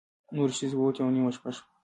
نورې ښځې ووتې او نیمه شپه شوه.